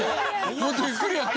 もっとゆっくりやって！